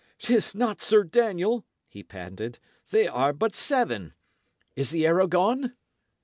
"'Tis not Sir Daniel!" he panted. "They are but seven. Is the arrow gone?"